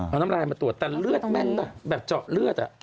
เอาน้ำลายมาตรวจแต่เลือดแม่นแบบเจาะเลือด